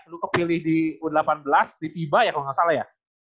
lu kepilih di u delapan belas di tiba ya kalo gak salah ya